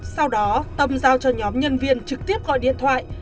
sau đó tâm giao cho nhóm nhân viên trực tiếp gọi điện thoại